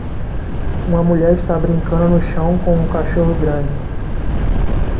Uma mulher está brincando no chão com um cachorro grande.